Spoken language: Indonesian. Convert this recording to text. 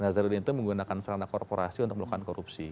nazarudin itu menggunakan serana korporasi untuk melakukan korupsi